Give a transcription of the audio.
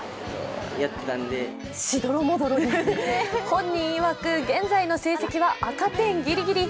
本人いわく、現在の成績は赤点ギリギリ。